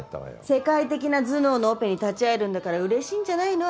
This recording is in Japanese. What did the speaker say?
世界的な頭脳のオペに立ち会えるんだから嬉しいんじゃないの？